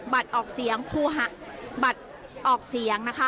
บัตรออกเสียงบัตรออกเสียงนะคะ